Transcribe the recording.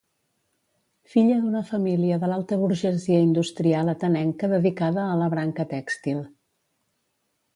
Filla d'una família de l'alta burgesia industrial atenenca dedicada a la branca tèxtil.